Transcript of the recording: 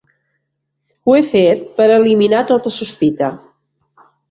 Ho he fet per eliminar tota sospita.